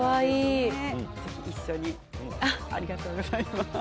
一緒にありがとうございます。